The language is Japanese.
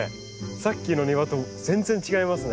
さっきの庭と全然違いますね。